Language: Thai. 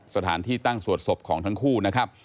สถานที่ตั้งสวดศพของทั้งคู่นะครับ